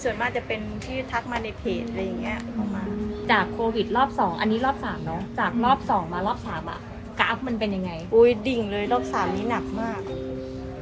ส่วนมากจะเป็นลูกค้าต่างชาติส่วนมากจะเป็นลูกค้าต่างชาติ